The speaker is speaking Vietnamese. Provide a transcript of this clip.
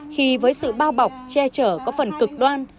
khi với sự bao bọc che chở có phần cực đoan